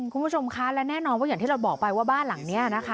คุณผู้ชมคะและแน่นอนว่าอย่างที่เราบอกไปว่าบ้านหลังนี้นะคะ